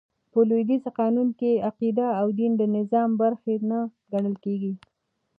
په لوېدیځ قانون کښي عقیده او دين د نظام برخه نه ګڼل کیږي.